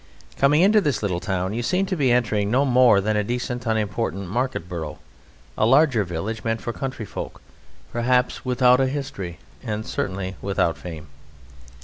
Coming into this little town you seem to be entering no more than a decent, unimportant market borough, a larger village meant for country folk, perhaps without a history and certainly without fame.